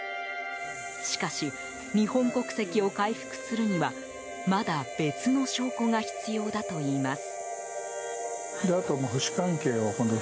しかし、日本国籍を回復するにはまだ別の証拠が必要だといいます。